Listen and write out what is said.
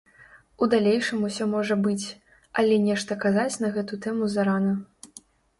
У далейшым усё можа быць, але нешта казаць на гэту тэму зарана.